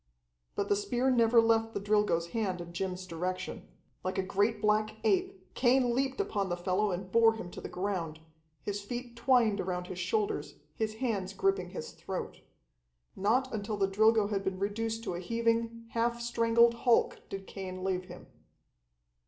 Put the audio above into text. But the spear never left the Drilgo's hand in Jim's direction. Like a great black ape, Cain leaped upon the fellow and bore him to the ground, his feet twined around his shoulders, his hands gripping his throat. Not until the Drilgo had been reduced to a heaving, half strangled hulk did Cain leave him.